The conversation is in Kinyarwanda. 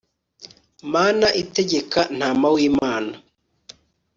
mana itegeka, ntama w'imana